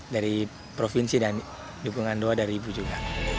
dari provinsi dan dukungan doa dari ibu juga